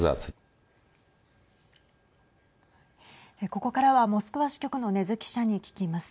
ここからは、モスクワ支局の禰津記者に聞きます。